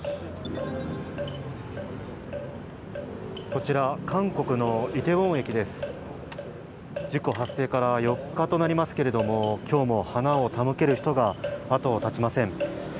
こちら、韓国のイテウォン駅です事故発生から４日となりますけど今日も花を手向ける人たちが後を絶ちません。